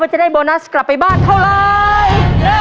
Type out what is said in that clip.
จะได้โบนัสกลับไปบ้านเท่าไร